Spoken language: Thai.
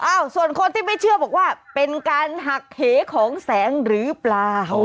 ส่วนคนที่ไม่เชื่อบอกว่าเป็นการหักเหของแสงหรือเปล่า